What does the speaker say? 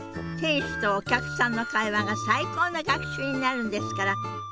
店主とお客さんの会話が最高の学習になるんですから。